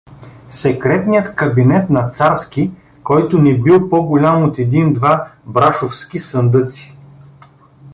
Секретния кабинет на Царски, който не бил по-голям от един-два брашовски сандъци.